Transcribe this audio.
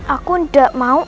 aku gak mau